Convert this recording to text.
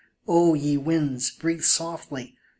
O ye winds, breathe softly